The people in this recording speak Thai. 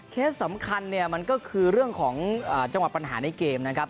สำคัญเนี่ยมันก็คือเรื่องของจังหวะปัญหาในเกมนะครับ